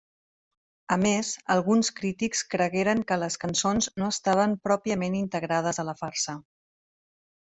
A més, alguns crítics cregueren que les cançons no estaven pròpiament integrades a la farsa.